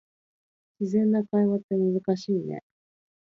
自然な会話って難しいね